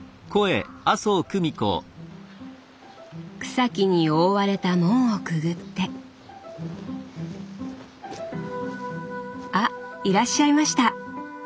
草木に覆われた門をくぐってあいらっしゃいました。